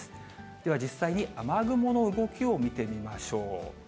では、実際に雨雲の動きを見てみましょう。